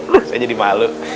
loh saya jadi malu